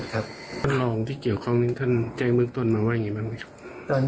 ทรงความเสมอทางรองเหมือนท่านเจใจเมื่อกี้เป็นอะไร